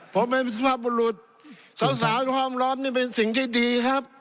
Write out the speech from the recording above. ผมเป็นสุภาพบุรุษสาวก็ห้อมล้อมนี่เป็นสิ่งที่ดีครับ